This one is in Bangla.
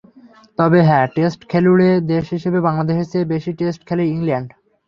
তবে হ্যাঁ, টেস্ট খেলুড়ে দেশ হিসেবে বাংলাদেশের চেয়ে বেশি টেস্ট খেলে ইংল্যান্ড।